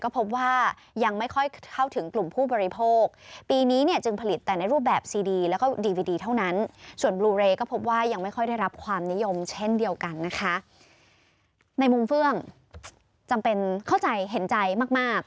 ในมุมเฟื้องจำเป็นเข้าใจเห็นใจมาก